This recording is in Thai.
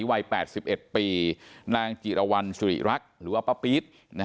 วัย๘๑ปีนางจิรวรรณสุริรักษ์หรือว่าป้าปี๊ด